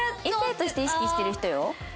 異性として意識してる人よ。